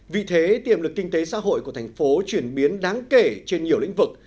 vị thế tiềm lực kinh tế xã hội của thành phố chuyển biến đáng kể trên nhiều lĩnh vực